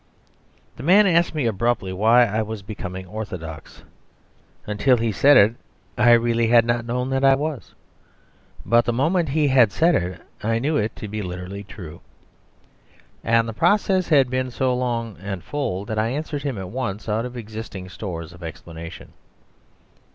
..... The man asked me abruptly why I was becoming orthodox. Until he said it, I really had not known that I was; but the moment he had said it I knew it to be literally true. And the process had been so long and full that I answered him at once out of existing stores of explanation.